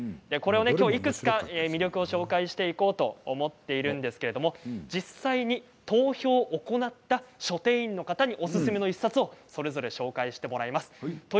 これを、いくつか魅力を紹介していこうと思っているんですけれども実際に投票を行った書店員の方におすすめの１冊をそれぞれ紹介してもらいます。